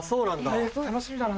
楽しみだな。